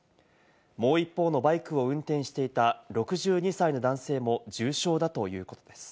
もう一方のバイクを運転していた６２歳の男性も重傷だということです。